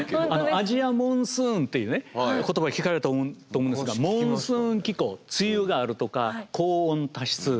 アジアモンスーンという言葉聞かれたと思うんですがモンスーン気候梅雨があるとか高温多湿